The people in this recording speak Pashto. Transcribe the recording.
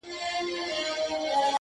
که څه کم و که بالابود و ستا په نوم و